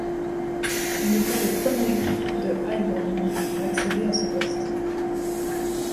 Il était le premier juif de Heilbronn à accéder à ce poste.